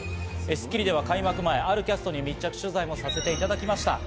『スッキリ』では開幕前、あるキャストに密着取材をさせていただきました。